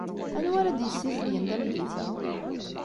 Anwi ara d-yessizedgen tameddit-a?